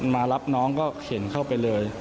มารับน้องก็เข็นเข้าไปเลย